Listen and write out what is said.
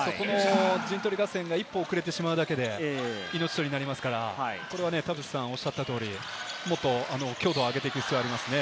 陣取り合戦が一歩遅れてしまうだけで命取りになりますから、それは田臥さんが言った通り、もっと強度を上げていく必要がありますね。